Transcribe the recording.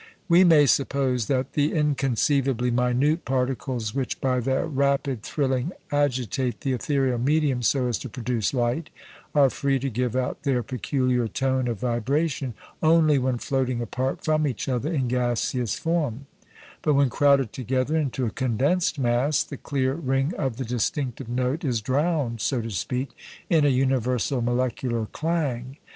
We may suppose that the inconceivably minute particles which by their rapid thrilling agitate the ethereal medium so as to produce light, are free to give out their peculiar tone of vibration only when floating apart from each other in gaseous form; but when crowded together into a condensed mass, the clear ring of the distinctive note is drowned, so to speak, in a universal molecular clang.